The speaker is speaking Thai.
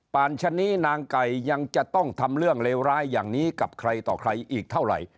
ชะนี้นางไก่ยังจะต้องทำเรื่องเลวร้ายอย่างนี้กับใครต่อใครอีกเท่าไหร่